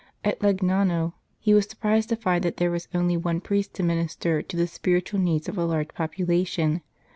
At Legnano he was surprised to find that there was only one priest to minister to the spiritual needs of a large population.